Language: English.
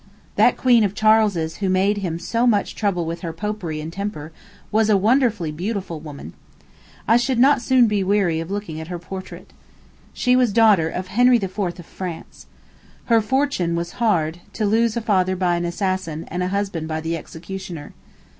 That queen of Charles's who made him so much trouble with her Popery and temper was a wonderfully beautiful woman. I should not soon be weary looking at her portrait. She was daughter of Henry IV. of France. Her fortune was hard, to lose a father by an assassin, and a husband by the executioner.